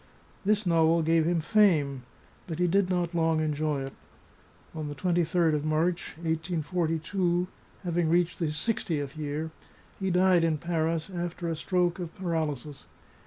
This novel gave him fame, but he did not long enjoy it. On the 23d of March, 1842, having reached his sixtieth year, he died in Paris, after a stroke of paraly sis.